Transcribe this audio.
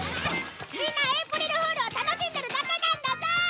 みんなエイプリルフールを楽しんでるだけなんだぞ！